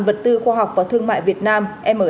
vật tư khoa học và thương mại việt nam